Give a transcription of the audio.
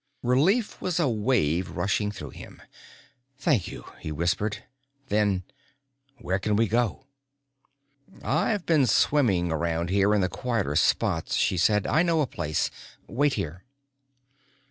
Relief was a wave rushing through him. "Thank you," he whispered. Then, "Where can we go?" "I've been swimming around here in the quieter spots," she said. "I know a place. Wait here."